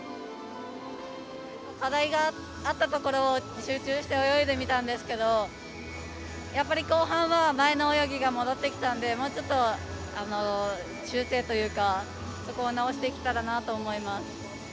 課題があったところを集中して泳いでみたんですけどやっぱり後半は前の泳ぎが戻ってきたんでもうちょっと修正というかそこを直していけたらなと思います。